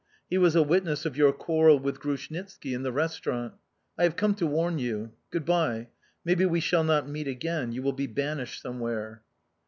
He was a witness of your quarrel with Grushnitski in the restaurant. I have come to warn you. Good bye. Maybe we shall not meet again: you will be banished somewhere."